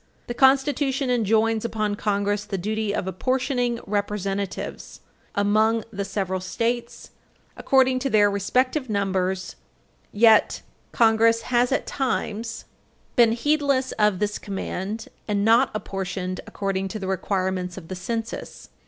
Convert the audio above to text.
The Constitution enjoins upon Congress the duty of apportioning Representatives "among the several States ... according to their respective Numbers, ..." Page 328 U. S. 555 Article I, § 2. Yet Congress has, at times, been heedless of this command, and not apportioned according to the requirements of the Census.